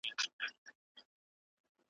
ځيني خوبونه د شيطان غموونکي خوبونه دي.